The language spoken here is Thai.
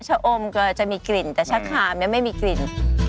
ชะอมก็จะมีกลิ่นแต่ชะคามไม่มีกลิ่น